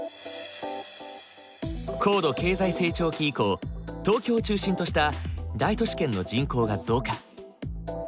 高度経済成長期以降東京を中心とした大都市圏の人口が増加。